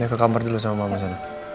nih ke kamar dulu sama mama so